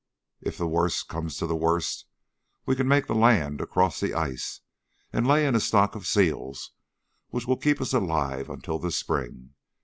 If the worst comes to the worst, we can make the land across the ice, and lay in a stock of seals which will keep us alive until the spring.